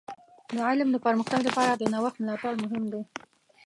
د علم د پرمختګ لپاره د نوښت ملاتړ مهم دی.